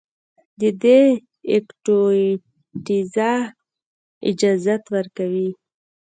د دې ايکټويټيز اجازت ورکوي